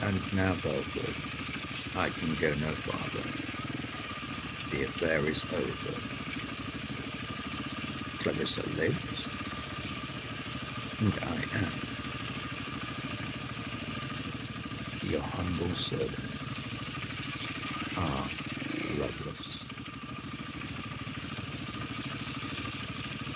And now, Belford, I can go no farther. The affair is over. Clarissa lives. And I am Your humble servant, R. LOVELACE.